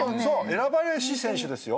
選ばれし選手ですよ。